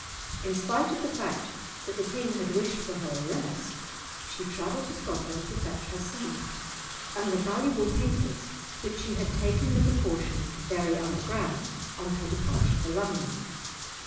In spite of the fact that the King had wished for her arrest, she travelled to Scotland to fetch her son, and the valuable papers which she had taken the precaution to bury underground on her departure for London.